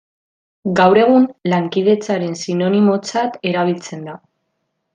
Gaur egun lankidetzaren sinonimotzat erabiltzen da.